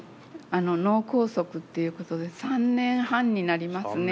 あの脳梗塞っていうことで３年半になりますね。